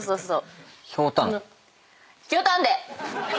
ひょうたんで！